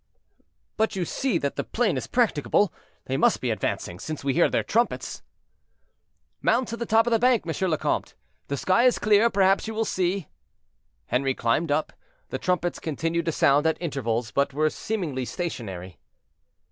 "But you see that the plain is practicable; they must be advancing, since we hear their trumpets." "Mount to the top of the bank, M. le Comte, the sky is clear, perhaps you will see." Henri climbed up; the trumpets continued to sound at intervals, but were seemingly stationary.